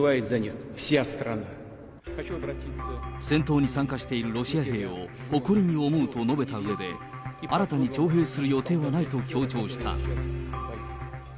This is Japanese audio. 戦闘に参加しているロシア兵を誇りに思うと述べたうえで、新たに徴兵する予定はないと強調した。